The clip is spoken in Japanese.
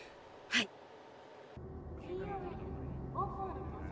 はい。